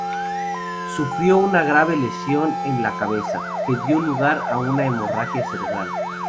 Sufrió una grave lesión en la cabeza, que dio lugar a una hemorragia cerebral.